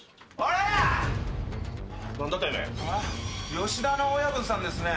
ヨシダの親分さんですね？